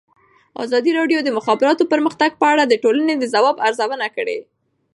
ازادي راډیو د د مخابراتو پرمختګ په اړه د ټولنې د ځواب ارزونه کړې.